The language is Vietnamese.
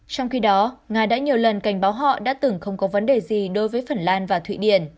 trong khi đó nga đã nhiều lần cảnh báo họ đã từng không có vấn đề gì đối với phần lan và thụy điển